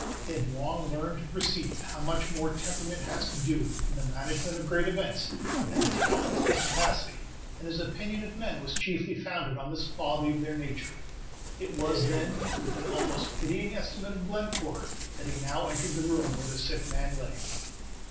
He had long learned to perceive how much more temperament has to do, in the management of great events, than talent or capacity, and his opinion of men was chiefly founded on this quality of their nature. It was, then, with an almost pitying estimate of Glenoore that he now entered the room where the sick man lay.